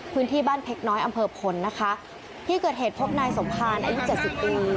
พื้นที่บ้านเพชรน้อยอำเภอพลนะคะที่เกิดเหตุพบนายสมภารอายุเจ็ดสิบปี